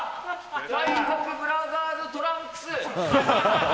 体格ブラザーズトランクス。